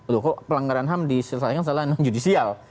loh kok pelanggaran ham diselesaikan secara non judicial